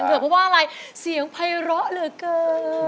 เกิดเพราะว่าอะไรเสียงไพร้อเหลือเกิน